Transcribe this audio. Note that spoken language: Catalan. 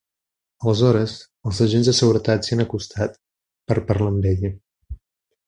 Aleshores, els agents de seguretat s’hi han acostat per parlar amb ella.